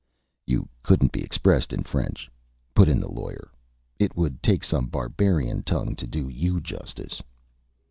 "You couldn't be expressed in French," put in the Lawyer. "It would take some barbarian tongue to do you justice."